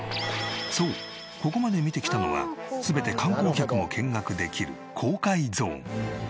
そうここまで見てきたのは全て観光客も見学できる公開ゾーン。